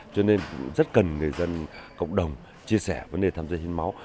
cho nên rất cần người dân cộng đồng chia sẻ vấn đề tham gia hiến máu